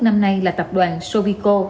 năm nay là tập đoàn sovico